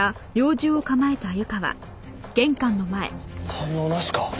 反応なしか。